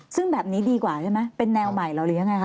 ซึ่งแบบนี้ดีกว่าใช่ไหมเป็นแนวใหม่เราหรือยังไงคะ